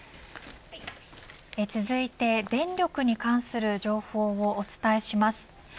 続いて電力に関する情報をお伝えします。